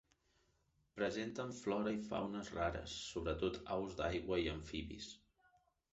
Presenten flora i fauna rares, sobretot aus d'aigua i amfibis.